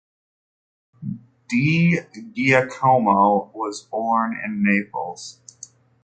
Di Giacomo was born in Naples.